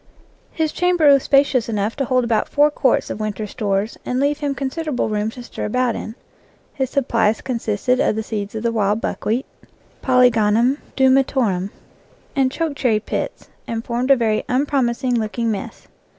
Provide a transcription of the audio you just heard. His chamber was spacious enough to hold about four quarts of winter stores and leave him consider able room to stir about in. His supplies consisted of the seeds of the wild buckwheat (Polygonum du metorum) and choke cherry pits, and formed a very unpromising looking mess.